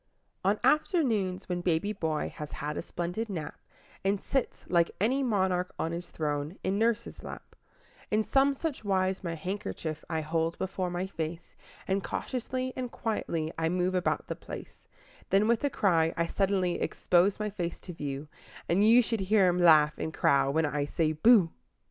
On afternoons, when baby boy has had a splendid nap, And sits, like any monarch on his throne, in nurse's lap, In some such wise my handkerchief I hold before my face, And cautiously and quietly I move about the place; Then, with a cry, I suddenly expose my face to view, And you should hear him laugh and crow when I say "Booh"!